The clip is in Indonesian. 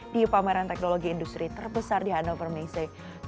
di pameran teknologi industri terbesar di hannover messe dua ribu dua puluh tiga